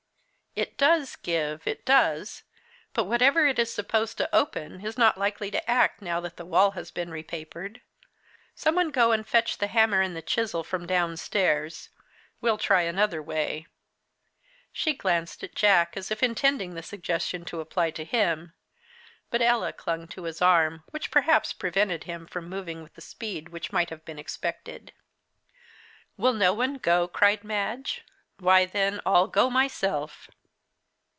"It does give it does! But whatever it is supposed to open is not likely to act now that the wall has been repapered. Some one go and fetch the hammer and the chisel from downstairs we'll try another way." She glanced at Jack, as if intending the suggestion to apply to him. But Ella clung to his arm, which perhaps prevented him from moving with the speed which might have been expected. "Will no one go?" cried Madge. "Why, then, I'll go myself."